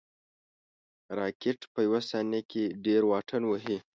راکټ په یو ثانیه کې ډېر واټن وهي